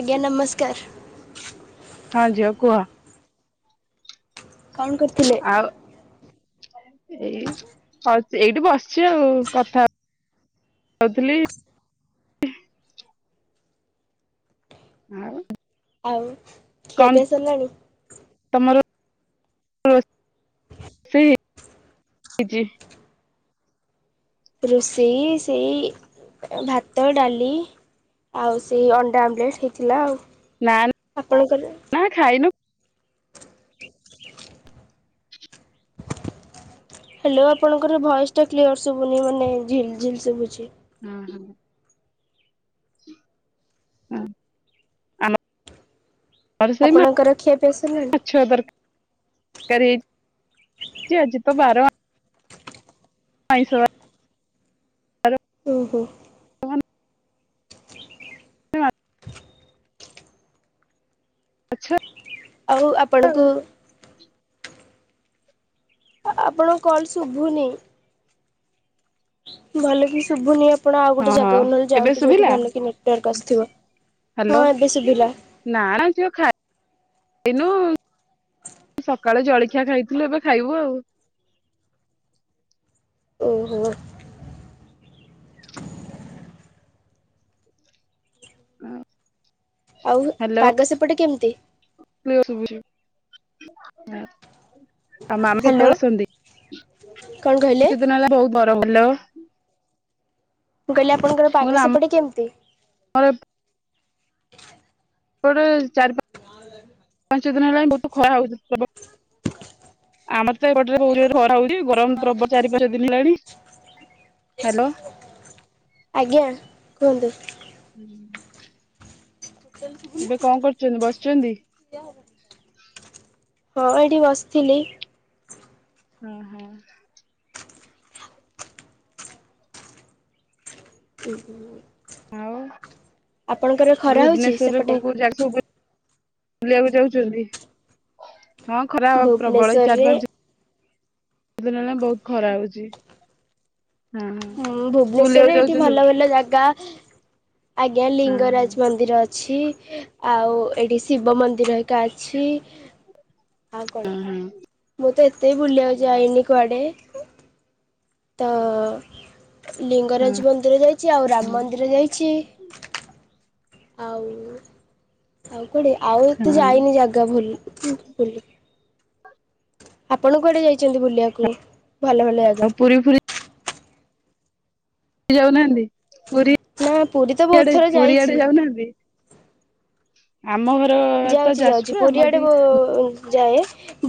ଆଜ୍ଞା ନମସ୍କାର। ହଁ ଝିଅ କୁହ। କଣ କରଥିଲେ? ଆଉ ଏଇ ହ ଏଇଠି ବସିଛି ଆଉ କଥା ହଉଥିଲି। ଆଉ ଆଉ ଖିଆ କଣ ପିଆ ସରିଲାଣି? [unintelligible] ରୋଷେଇ ସେଇ ଭାତ, ଡାଲି ଆଉ ସେଇ ଅଣ୍ଡା ଆମଲେଟ ହେଇଥିଲା ଆଉ। ନା ଆପଣଙ୍କର ନା ଖାଇନୁ। ହ୍ୟାଲୋ ଆପଣଙ୍କର ଭଏସ ଟା କ୍ଲିୟର ଶୁଭୁନି ମାନେ ଝିଲ୍ ଝିଲ୍ ଶୁଭୁଛି। ଉଁ ହୁଁ। ଉଁ ଆମ ଘରେ ସେଇ ମା ଆପଣଙ୍କର ଖିଆପିଆ ସରିଲାଣି ମାଛ ତର କାରୀ ହେଇଚି ଆଜି ତ ବାର ଆ ଆଇଁଷ ବାର ଓହୋ। [unintelligible] ଆଚଛା। ଆଉ ଆପଣଙ୍କୁ ଆପଣଙ୍କ କଲ ଶୁଭୁନି। ଭଲ କି ଶୁଭୁନି ଆପଣ ଆଉ ହଁ ଗୋଟେ ହଁ ଜାଗାକୁ ନହେଲେ ଏବେ ଯାଆନ୍ତୁ ଯୋଉଠି ଶୁଭିଲା ଭଲ କି ନେଟୱାର୍କ ଆସିଥିବ। ହ୍ୟାଲୋ ନା ନା ଝିଅ ଖା ଇନୁ ସକାଳେ ଜଳଖିଆ ଖାଇଥିଲୁ ଏବେ ଖାଇବୁ ଆଉ। ଓହୋ। ହୁଁ। ଆଉ ପାଗ ସେପଟ କେମତି? [unintelligible] ତମ ମାମ ହ୍ୟାଲୋ। କେତେବେଳେ ଆସନ୍ତି? କଣ କହିଲେ? କିଛି ଦିନ ହେଲା ବହୁତ୍ ଗରମ୍ ହଉଛି ହାଲୋ। ମୁଁ କହିଲି ଆପଣଙ୍କର ପାଗ ସେପଟେ କେମତି? ଆମର ଏପଟେ ଚାରି ପା ପାଞ୍ଚ ଦିନି ହେଲାନି ବହୁତ୍ ଖରା ହଉଛି। ଆମର ତ ଏପଟରେ ବହୁତ ଜୋରେ ଖରା ହଉଛି। ଗରମ ପ୍ରବ୍ ଚାରି ପାଞ୍ଚ ଦିନ ହେଲାଣି। ହ୍ୟାଲୋ ଆଜ୍ଞା କୁହନ୍ତୁ। ଏବେ କଣ କରୁଛନ୍ତି? ବସିଛନ୍ତି। ହଁ ଏଠି ବସିଥିଲି। ହୁଁ ହୁଁ। [unintelligible] ଆଉ ଆପଣଙ୍କର ଖରା ହଉଛି ଭୁବନେଶ୍ୱରରେ ସେପଟେ? କୋଉ କୋଉ ଜାଗ ସ ଗ୍ ବୁଲିବାକୁ ଯାଉଛନ୍ତି? ହଁ ଖରା ପ୍ରବଳ ଏଇ ଚାରି ଭୁବନେଶ୍ୱରରେ ପାଞ୍ଚ ଦିନ ହେଲା ବହୁତ ଖରା ହଉଛି। ହଁ ହଁ ହୁଁ ବୁଲିବାକୁ ଭୁବନେଶ୍ୱରରେ ଏଇଠି ଯାଉଛନ୍ତି ସବୁ ଭଲ ଭଲ ଜାଗା ଆଜ୍ଞା ହଁ ହଁ ଲିଙ୍ଗରାଜ ମନ୍ଦିର ଅଛି। ଆଉ ଏଇଠି ଶିବ ମନ୍ଦିର ଏକା ଅଛି। ଆଉ କଣ ହଁ ମୁଁ ତ ଏତେ ବି ବୁଲିବାକୁ ଯାଇନି କୁଆଡେ ତ ହଁ ଲିଙ୍ଗରାଜ ମନ୍ଦିର ଯାଇଛି ଆଉ ରାମ ମନ୍ଦିର ଯାଇଛି ଆଉ ଆଉ କୁଆଡେ ଆଉ ହଁ ଏତେ ହଁ। ଯାଇନି ଜାଗା ଭୁଲ [inaudible] ଆପଣ କୁଆଡେ ଯାଇଚନ୍ତି ବୁଲିବାକୁ ଭଲ ଭଲ ଆଉ ପୁରୀ ଜାଗା? ପୁରୀ ଯାଉନାହାନ୍ତି ପୁରୀ ନା ପୁରୀ ତ ବହୁତ ଆଡେ ଥର ପୁରୀ ଯାଇଛି। ଆଡେ ଯାଉନାହାନ୍ତି? ଆମ ଘ ଯାଉଚି ଯାଉଚି ପୁରୀ ଆଡକୁ ଯାଏ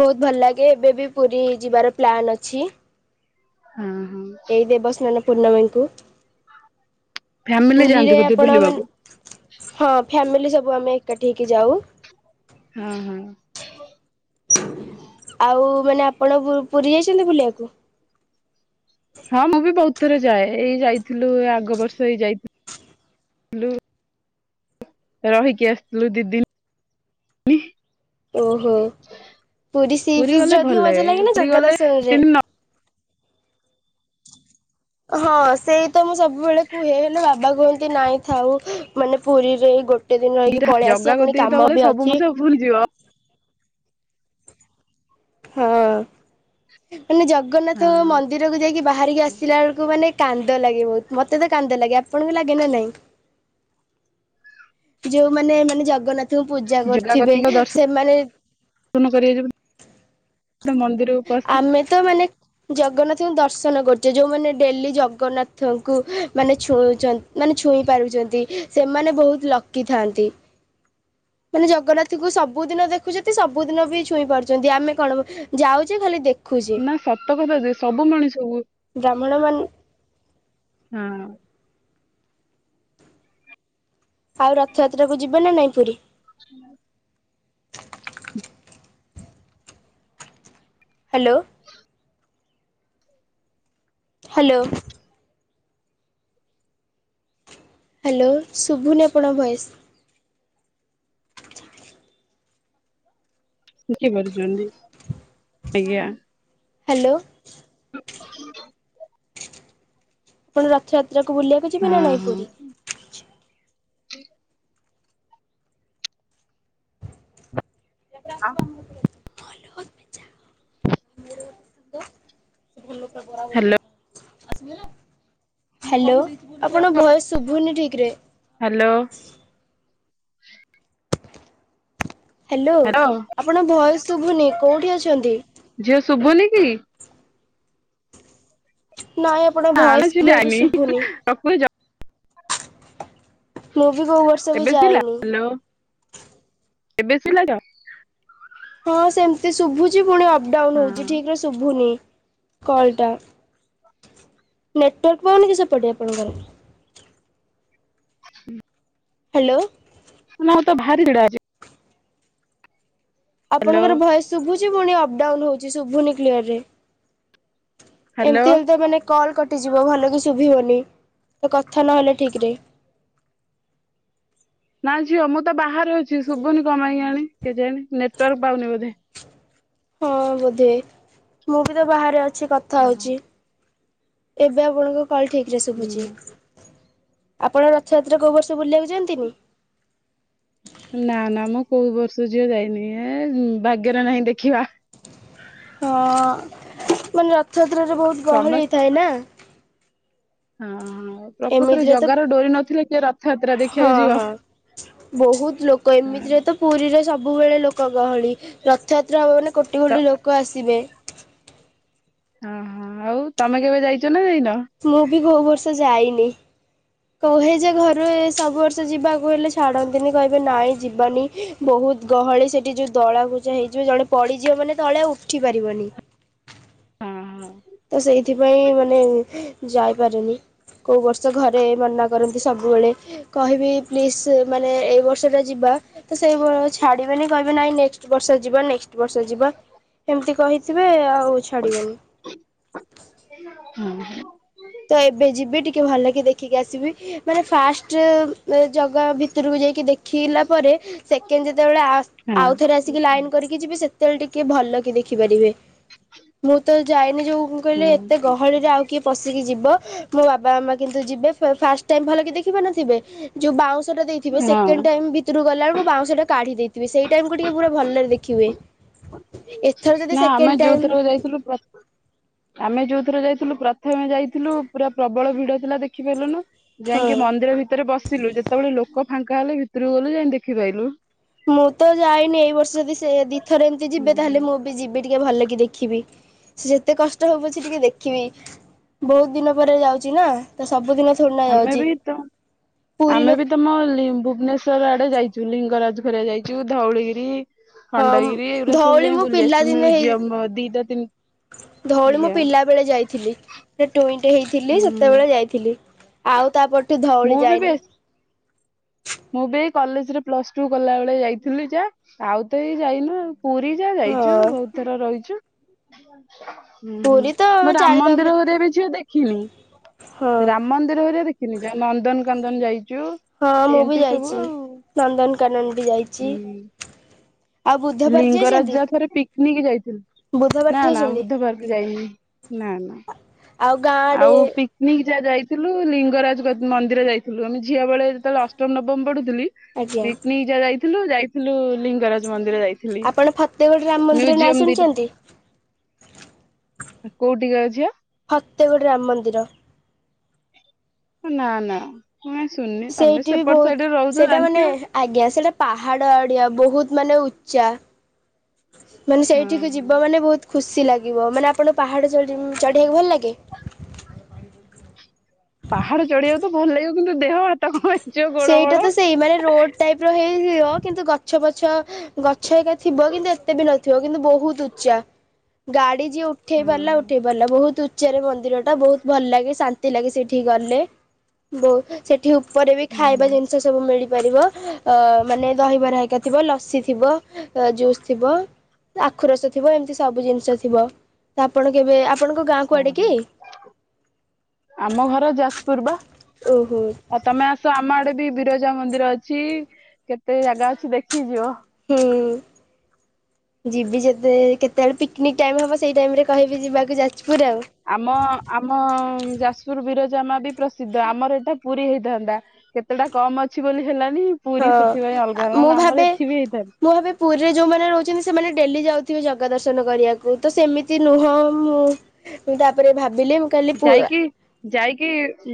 ବହୁତ ଭଲ ଲାଗେ ଏବେ ବି ପୁରୀ ଯିବାର ପ୍ଲାନ୍ ଅଛି। ହଁ ହଁ ଏଇ ଦେବସ୍ନାନ ପୂର୍ଣ୍ଣମୀ ଙ୍କୁ ଫ୍ୟାମିଲି ଯାଆନ୍ତି ପୁରୀରେ ବୋଧେ ଆପଣ ମାନେ ବୁଲିବାକୁ ହଁ ଫ୍ୟାମିଲି ସବୁ ସବୁ ଆମେ ଏକାଠି ହେଇକି ଯାଉ ହଁ ହଁ। ଆଉ ମାନେ ଆପଣ ପୁ ପୁରୀ ଯାଇଚନ୍ତି ବୁଲିବାକୁ? ହଁ ମୁଁ ବି ବହୁତ ଥର ଯାଏ ଏଇ ଯାଇଥିଲୁ ଏ ଆଗ ବର୍ଷ ଏଇ ଯାଇଥିଲ ଥିଲୁ ରହିକି ଆସିଥିଲୁ ଦି ଦିନ, ନି ଓ ହୋ। ପୁରୀ ସିବିଚ ଗଲେ ଭଲ ଯଦି ମଜା ଲାଗେ ଲାଗେନା ପୁରୀ ଜଗା ଗଲେ ଦର୍ଷନରେ? ତିନି ହଁ ସେଇ ତ ମୁଁ ସବୁବେଳେ କୁହେ ହେଲେ ବାବା କୁହନ୍ତି ନାଇଁ ଥାଉ ମାନେ ପୁରୀରେ ଗୋଟେ ଟେ ଦିନ ରହିକି ପଳେଇ ଜଗା ଆସିବା ପୁଣି କତିକି ତ କାମ ଗଲେ ବି ସବୁ ଅଛି ମଣିଷ ଭୁଲିଯିବ ହଁ ମାନେ ଜଗନ୍ନାଥ ହଁ ମନ୍ଦିରକୁ ଯାଇକି ବାହାରିକି ଆସିଲା ବେଳକୁ ମାନେ କାନ୍ଦ ଲାଗେ ବହୁତ। ମତେ ତ କାନ୍ଦ ଲାଗେ ଆପଣଙ୍କୁ ଲାଗେ ନା ନାଇଁ? ଯୋଉମାନେ ମାନେ ଜଗନ୍ନାଥ କୁ ପୂଜା ଜଗା କରୁଥିବେ କତିକ ଦର୍ଶନ ସେମାନେ କରିବାକୁ ଯିବୁ ମନ୍ଦିରକୁ ପଶିବୁ ଆମେ ତ ମାନେ ଜଗନ୍ନାଥଙ୍କୁ ଦର ଶନ କରୁଛେ। ଯେଉଁମାନେ ଡେଲି ଜଗନ୍ନାଥଙ୍କୁ ମାନେ ଛୁଇଁଚ ମାନେ ଛୁଇଁ ପାରୁଛନ୍ତି ସେମାନେ ବହୁତ ଲକିଥାନ୍ତି। [inaudible] ମାନେ ଜଗନ୍ନାଥଙ୍କୁ ସବୁଦିନ ଦେଖୁଚନ୍ତି ସବୁଦିନ ବି ଛୁଇଁ ପାରୁଚନ୍ତି ଆମେ କଣ ଯାଉଚେ ଖାଲି ଦେଖୁଛେ ନା ସତ କଥା ଯେ ସବୁ ମଣିଷ କୁ ବ୍ରାହ୍ମଣ ମାନେ ହଁ। ଆଉ ରଥଯାତ୍ରାକୁ ଯିବ ନା ନାଇଁ ପୁରୀ? [inaudible] ହାଲୋ। ହାଲୋ। ହାଲୋ ଶୁଭୁନି ଆପଣ କ ଭୋଏଶ। କି କରୁଚନ୍ତି ଆଜ୍ଞା। ହାଲୋ। [inaudible] ଆପଣ ରଥଯାତ୍ରାକୁ ବୁଲିବାକୁ ଯିବେ ନା ନାଇଁ ହଁ ପୁରୀ? [inaudible] ହ। ହାଲୋ। ହାଲୋ ଆପଣଙ୍କ ଭୟସ ଶୁଭୁନି ଠିକରେ। ହ୍ୟାଲୋ ହାଲୋ ହ୍ୟାଲୋ ଆପଣ ଭଏସ ଶୁଭୁନି କୋଉଠି ଅଛନ୍ତି? ଝିଅ ଶୁଭୁନି କି? ନାଇଁ ଆପଣ ନା ନା ଭଏସ୍ ଝିଅ କ୍ଲିଅର ଯାଇନି ଶୁଭୁନି। ରଖୁଛି ମୁଁ ବି କୋଉ ବର୍ଷ ବି ଏବେ ଶୁଭିଲା ଯାଏନି। ହ୍ୟାଲୋ ଏବେ ସୁଇଲା ତ? ହଁ ସେମିତି ଶୁଭୁଚି ପୁଣି ଅପ ଡାଉନ ହଉଚି ହଁ ଠିକରେ ଶୁଭୁନି। କଲ୍ ଟା ନେଟୱାର୍କ ପାଉନି କି ସେପଟେ ଆପଣଙ୍କର? ହୁଁ। ହାଲୋ। ନା ତ ଭାରିଭିଡ ଆଜି। ଆପଣଙ୍କର ଭୟସ ଶୁଭୁଛି ପୁଣି ଅପଡାଉନ ହଉଛି ଶୁଭୁନି କ୍ଲିଅରରେ ହାଲୋ ଏମିତି ହେଲେ ତ ମାନେ କଲ୍ କଟିଯିବ ଭଲ କି ଶୁଭିବନି କଥା ନହଲେ ଠିକରେ ନା ଝିଅ ମୁଁ ତ ବାହାରେ ଅଛି ଶୁଭୁନି କଣ ପାଇଁ କେଜାଣି ନେଟୱାର୍କ ପାଉନି ବୋଧେ ହଁ ବୋଧେ ହ ମୁଁ ବି ତ ବାହାରେ ଅଛି କଥା ହଁ ହଉଛି। ଏବେ ଆପଣଙ୍କ କଲ୍ ଠିକ ରେ ଶୁଭୁଛି। ହୁଁ। ଆପଣ ରଥଯାତ୍ରା କୋଉ ବର୍ଷ ବୁଲିବାକୁଯାନ୍ତିନି? ନା ନା ମୁଁ କୋଉ ବର୍ଷ ଝିଅ ଯାଇନି ଏ ଭାଗ୍ୟରେ ନାହିଁ ଦେଖିବା। ହଁ ମାନେ ରଥଯାତ୍ରାରେ ବହୁତ ଗହଳି ସମସ୍ତେ ହେଇଥାଏ ନା। ହଁ ପ୍ରକୃତରେ ଏମିତିରେ ତ ଜଗାର ଡୋରି ନଥିଲେ କିଏ ରଥଯାତ୍ରା ହଁ ଦେଖିବାକୁ ଯିବ। ହଁ ବହୁତ ଲୋକ ହଁ ଏମିତିରେ ତ ପୁରୀରେ ସବୁ ସବୁବେଳେ ଲୋକ ଗହଳି ରଥଯାତ୍ରା ହେବ ମାନେ କୋଟି ତ କୋଟି ଲୋକ ଆସିବେ। ଓହୋ ଆଉ ତମେ କେବେ ଯାଇଛ ନା ଯାଇନ? ମୁଁ ବି କୋଉ ବର୍ଷ ଯାଇନି। କୁହେ ଯେ ଘରୁ ସବୁ ବର୍ଷ ଯିବାକୁ ହେଲେ ଛାଡନ୍ତିନି କହିବେ ନାଇଁ ଯିବାନି ବହୁତ ଗହଳି ସେଠି ଯୋଉ ଦଳା କୁଜା ହେଇଯିବ ଜଣେ ପଡିଯିବ ମାନେ ତଳେ ଆଉ ଉଠି ପାରିବନି। ହ [inaudible] ତ ସେଇଥିପାଇଁ ମାନେ ଯାଇପାରୁନି। କୋଉ ବର୍ଷ ଘରେ ମନା କରନ୍ତି ସବୁବେଳେ କହିବି ପ୍ଲିଜ ମାନେ ଏଇ ବର୍ଷ ତେବେଳେ ଯିବା ତ ସେଇ ଛାଡିବେନି କହିବେ ନାଇଁ ନେକ୍ସଟ ବର୍ଷ ଯିବା ନେକ୍ସଟ ବର୍ଷ ଯିବା ଏମତି କହିଥିବେ ଆଉ ଛାଡିବେନି। ହୁଁ। ତ ଏବେ ଯିବି ଟିକେ ଭଲ କି ଦେଖିକି ଆସିବି ମାନେ ଫାଷ୍ଟ ଜଗା ଭିତ ଭିତରକୁ ଯାଇକି ଦେଖିଲା ପରେ ସେକେଣ୍ଡ ଯେତେବେଳେ ଆ ହଁ ଆଉଥରେ ଆସିକି ଲାଇନ କରିକି ଯିବେ ସେତେବେଳେ ଟିକେ ଭଲ କି ଦେଖିପାରିବେ। ମୁଁ ତ ଯାଇନି ଯୋଉ କହିଲି ହଁ ଏତେ ଗହଳିରେ ଆଉ କିଏ ପଶିକି ଯିବ ମୋ ବାବା ମା କିନ୍ତୁ ଯିବେ ଫାଷ୍ଟ ଟାଇମ ଭଲକି ଦେଖିପାରି ନଥିବେ ଯୋଉ ଦେଇଥିବେ ହଁ ସେକେଣ୍ଡ ଟାଇମ ଭିତରକୁ ଗଲାବେଳକୁ ବାଉଁଶଟା କାଢି ଦେଇଥିବେ ସେଇ ଟାଇମ୍କୁୁ ଟିକେ ପୁରା ଭଲରେ ଦେଖିହୁଏ। ନା ଆମେ ଯୋଉଥିରକ ଯାଇଥିଲୁ ଆମେ ଯୋଉ ଥର ଯାଇଥିଲୁ ପ୍ରଥମେ ଯାଇଥିଲୁ ପୁରା ପ୍ରବଳ ଭିଡ ଥିଲା ଦେଖି ପାରିଲୁନୁ ହଁ ଯାଇକି ମନ୍ଦିର ଭିତରେ ବସିଲୁ ଯେତେବେଳେ ଲୋକ ଫାଙ୍କା ହେଲେ ଭିତରକୁ ଗଲୁ ଯାଇ ଦେଖିପାଇଲୁ। ମୁଁ ତ ଯାଇନି ଏଇ ବର୍ଷ ଯଦି ସେ ଦିଥରେ ଏମିତି ଯିବେ ତାହେଲେ ମୁଁ ବି ଯିବି। ଟିକେ ଭଲ କି ଦେଖିବି। ସେ ଯେତେ କଷ୍ଟ ହଉ ପଛେ ଟିକେ ଦେଖିବି। ବହୁତ ଦିନ ପରେ ଯାଉଛି ନା ତ ସବୁଦିନ ଥୋଡି ନା ଆମେ ଯାଉଛି ବି ତ ପୁରୀ ଆମେ ଲୋକ ବି ତମ ଲି ଭୁବନେଶର ଆଡେ ଯାଇଛୁ। ଚୁ ଲିଙ୍କରାଜ ଘରଆ ଯାଇଛୁ ଧଉଳିଗିରି ହଁ ଖଣ୍ଡଗିରି ଏଇଗୁଡା ସବୁ ଧଉଳି ଯାଇ ମୁଁ ବୁଲି ଆସୁଛୁ ପିଲାଦିନେ ହେଇ ମୁଜିୟମ ଦିଟା ତିନି ଧଉଳି ମୁଁ ଆଜ୍ଞା ପିଲା ବେଳେ ଯାଇଥିଲି ଟୁଇଁ ସେ ହେଇଥିଲି ହୁଁ ସେତେବେଳେ ଯାଇଥିଲି ଆଉ ତାପରଠୁ ଧଉଳି ମୁଁ ବି ଯାଇନି। ବେଶ ମୁଁ ବି କଲେଜରେ ପ୍ଲସ ଟୁ କଲା ବେଳେ ଯାଇଥିଲି ଯା ଆଉ ତ ଏଇ ଯାଇନୁ। ପୁରୀ ଯାହା ଯାଇଛୁ ହଁ ବହୁତ ଥର ରହିଛୁ। ହୁଁ ହୁଁ ପୁରୀ ତ ମୋ ରାମ ଚାରିଧାମ ମନ୍ଦିର ଭିତ ହେରିକା ବି ଝିଅ ଦେଖିନି। ହଁ ରାମ ମନ୍ଦିର ହେରିକା ଦେଖିନି ଯା ନନ୍ଦନ କାନ୍ଦନ ଯାଇଛି। ହଁ ମୁଁ ବି ଯାଇଛି ନନ୍ଦନକାନନ ବି ଯାଇଛି। ଆଉ ବୁଦ୍ଧ ପାର୍କ ଲିଙ୍ଗରାଜା ଯାଇଛନ୍ତି? ଯା ଥରେ ପି ନେଇକି ଯାଇଥିଲୁ ବୁଦ୍ଧ ପାର୍କ ନା ନା ଯାଇଛନ୍ତି? ବୁଧବାରକୁ ଯାଇନି ନା ନା ଆଉ ଗାଁ ଆଡେ ଯାହା ଯାଇଥିଲୁ ଲିଙ୍ଗରାଜ ମନ୍ଦିର ଯାଇଥିଲୁ ଆମେ ଝିଅ ବେଳେ ଯେତେବେଳେ ଅଷ୍ଟମ ନବମୀ ପଢୁଥୁଲୁ ଥିଲି ଆଜ୍ଞା ପିକନିକ ଯା ଯାଇଥିଲୁ ଯାଇଥିଲୁ ଲିଙ୍ଗରାଜ ମନ୍ଦିର। ଯାଇଥିଲି ଆପଣ ଫତେଗଡ ରାମ ମନ୍ଦିର ନାଁ ମିଉଜ୍ୟମ୍ ଦିଟା ଶୁଣିଛନ୍ତି? କୋଉଠି କା ଝିଅ? ଏ ଗୋଟେ ରାମ ମନ୍ଦିର। ନା ନା। ମୁଁ ଶୁଣିନି ତମେ ସେଇଠି ବି ସେପଟ ସାଇଡରେ ବହୁତ ରହୁଛ ସେଇଟା ମାନେ ଜାଣିଥିବ ଆଜ୍ଞା ସେଇଟା ପାହାଡ ଆଡିଆ ବହୁତ ମାନେ ଉଚ୍ଚା ମାନେ ହଁ। ସେଇଠି ହଁ ଯିବ ମାନେ ବହୁତ ଖୁସି ଲାଗିବ ମାନେ ଆପଣ ପାହାଡ ଚଢିବାକୁ ଭଲ ଲାଗେ। ପାହାଡ ଚଢିବାକୁ ତ ଭଲ ଲାଗିବ କିନ୍ତୁ ଦେହ ହାତ କଣ ହେଇଯିବ। ଗୋଡ ସେଇଟା ଫୋଡ। ତ ସେଇ ମାନେ ରୋଡ ଟାଇପ ର ହେଇ ଥିବ କିନ୍ତୁ ଗଛ ପଛ ଗଛ ଏକା ଥିବ, କିନ୍ତୁ ଏତେ ବି ନଥିବ କିନ୍ତୁ ବହୁତ ଉଚ୍ଚା ଗାଡି ଯିଏ ଉଠେଇ ପାରିଲା ହଁ ଉଠେଇ ପାରିଲା ବହୁତ ଉଚ୍ଚା ଉପରେ ମନ୍ଦିର ଟା ବହୁତ ଭଲ ଲାଗେ ଶାନ୍ତି ଲାଗେ ସେଠି ଗଲେ ସେଠି ଉପରେ ବି ହଁ ଖାଇବା ଜିନିଷ ସବୁ ମିଳ ମିଳିପାରିବ ମାନେ ଦହିବରା ହେରାକ ଥିବ ଲସି ଥିବ ଜୁସ୍ ଥିବ। ଆଖୁ ରସ ଥିବ ଏମିତି ସବୁ ଜିନିଷ ଥିବ ତ ଆପଣ କେବେ ଆପଣଙ୍କ ଗାଁ ଓ କୁଆଡେ ହ କି? ଆମ ଘର ଜା ପୂର୍ବା ଓହୋ ଆଉ ତମେ ଆସ ଆମ ଆଡେ ବି ବିରଜା ମନ୍ଦିର ଅଛି କେତେ ଜାଗା ଅଛି ଦେଖି ଯିବ। ହୁଁ। ଯିବି ଯେତେ କେତେବେଳେ ପିକନିକ ଟାଇମ ହବ ସେଇ ଟାଇମ ରେ କହିବି ଯିବା। ଆମ ଆମ ଯାଜପୁର ବିରଜା ମା ବି ପ୍ରସିଦ୍ଧ ଆମର ଏଇଟା ପୁରୀ ହେଇଥାନ୍ତା କେତେଟା କମ ଅଛି ବୋଲି। ହେଲାନି ପୁରୀ ହଁ ସେଥିପାଇଁ ଅଲଗା ମୁଁ ହେଲାନା ଆମର ଭାବେ ଏଠି ବି ହେଇଥାନ୍ତା। ମୁଁ ଭାବେ ପୁରୀରେ ଯୋଉମାନେ ରହୁଛନ୍ତି ସେମାନେ ଡେଲି ଯାଉଥିବେ ଯାଉଥିବେ ଜଗା ଦର୍ଶନ କରିବାକୁ ତ ସେମିତି ନୁହଁ ମୁଁ ତାପରେ ଭାବେ ଯାଇକି ଯାଇକି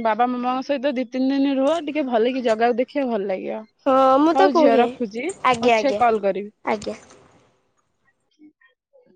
ବାବା ମାମା ସହିତ ଦିଇ ତିନି ଦିନ ରୁହ ଟିକେ ଭଲ କିି ଜାଗା ଦେଖକୁ ଭଲ ଲାଗେ। ଆଜ୍ଞା ହଁ ମୁଁ ତ ହଉ ଝିଅ କୁହେ ରଖୁଛି ଆଜ୍ଞା ପଛେ ଆଜ୍ଞା କଲ କରିବି। ଆଜ୍ଞା। ହ